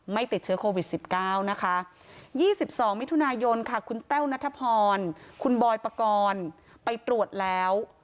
ไม่ติดเชื้อโควิด๑๙นะคะ๒๒มิถุนายนค่ะคุณแต้วนัทพรคุณบอยปกรณ์ไปตรวจแล้ว